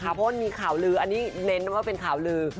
เพราะมันมีข่าวลืออันนี้เน้นว่าเป็นข่าวลือ